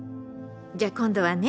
じゃ今度はね